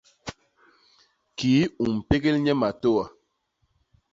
Kii u mpégél nye matôa.